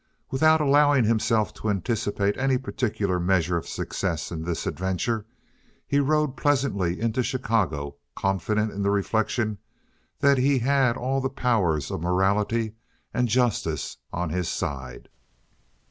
Without allowing himself to anticipate any particular measure of success in this adventure, he rode pleasantly into Chicago confident in the reflection that he had all the powers of morality and justice on his side.